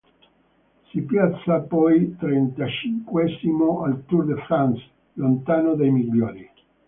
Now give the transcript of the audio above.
Si piazza poi trentacinquesimo al Tour de France, lontano dai migliori.